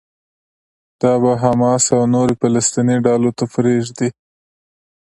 دا به حماس او نورو فلسطيني ډلو ته پرېږدي.